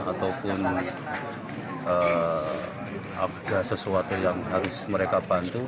ataupun ada sesuatu yang harus mereka bantu